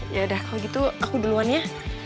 yaudah kalo gitu aku duluan ya